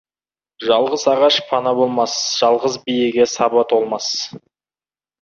Жалғыз ағаш пана болмас, жалғыз биеге саба толмас.